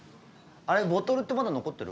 あれボトルってまだ残ってる？